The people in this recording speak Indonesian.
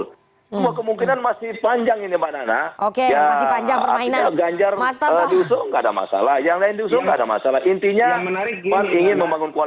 semua kemungkinan masih panjang ini mbak nana